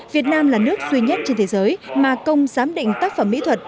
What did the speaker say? việt nam là nước duy nhất trên thế giới mà công giám định tác phẩm mỹ thuật